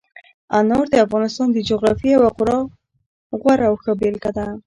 انار د افغانستان د جغرافیې یوه خورا غوره او ښه بېلګه ده.